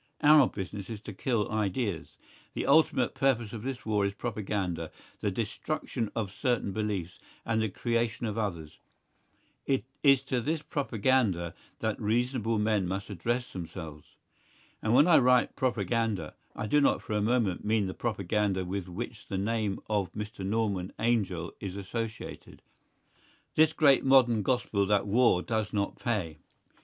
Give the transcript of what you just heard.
Our business is to kill ideas. The ultimate purpose of this war is propaganda, the destruction of certain beliefs, and the creation of others. It is to this propaganda that reasonable men must address themselves. And when I write propaganda, I do not for a moment mean the propaganda with which the name of Mr. Norman Angell is associated; this great modern gospel that war does not pay.